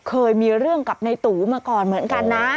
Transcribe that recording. เคยมีเรื่องกับในตูมาก่อนเหมือนกันนะ